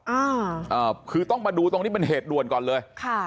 อ่าอ่าคือต้องมาดูตรงนี้เป็นเหตุด่วนก่อนเลยค่ะ